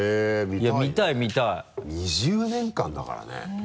いや見たい見たい。２０年間だからね。